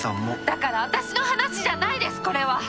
だから私の話じゃないですこれは。